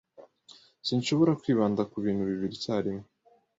Sinshobora kwibanda kubintu bibiri icyarimwe.